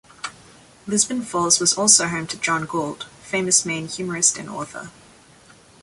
Lisbon Falls was also home to John Gould, famous Maine humorist and author.